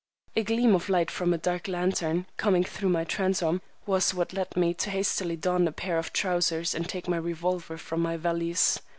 A gleam of light from a dark lantern, coming through my transom, was what led me to hastily don a pair of trousers and take my revolver from my valise.